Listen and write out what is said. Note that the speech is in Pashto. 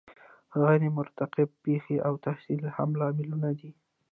غیر مترقبه پیښې او تحصیل هم لاملونه دي.